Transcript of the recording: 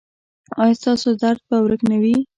ایا ستاسو درد به ورک نه وي؟